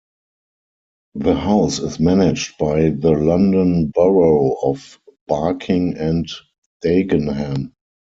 The house is managed by the London Borough of Barking and Dagenham.